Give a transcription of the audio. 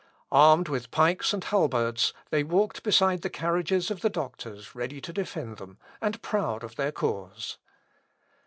Armed with pikes and halberds, they walked beside the carriages of the doctors ready to defend them, and proud of their cause.